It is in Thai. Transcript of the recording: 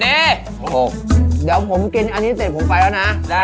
เดี๋ยวผมกินอันนี้เสร็จผมไปแล้วนะ